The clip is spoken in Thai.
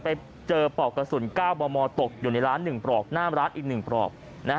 ไปเจอปลอกกระสุน๙มมตกอยู่ในร้าน๑ปลอกหน้าร้านอีก๑ปลอก